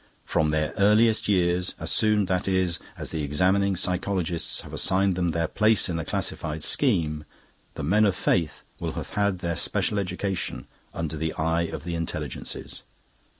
"From their earliest years, as soon, that is, as the examining psychologists have assigned them their place in the classified scheme, the Men of Faith will have had their special education under the eye of the Intelligences.